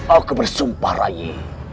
aku bersumpah rayi